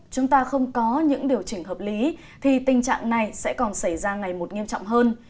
chúng ta không có những điều chỉnh hợp lý thì tình trạng này sẽ còn xảy ra ngày một nghiêm trọng hơn